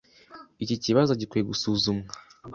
Iki kibazo gikwiye gusuzumwa.